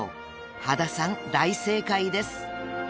［羽田さん大正解です］